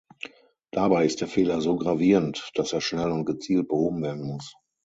Dabei ist der Fehler so gravierend, dass er schnell und gezielt behoben werden muss.